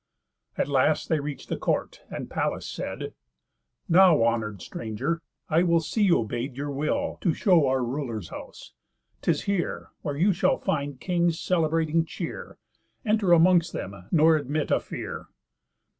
At last they reach'd the court, and Pallas said: "Now, honour'd stranger, I will see obey'd Your will, to show our ruler's house; 'tis here; Where you shall find kings celebrating cheer. Enter amongst them, nor admit a fear.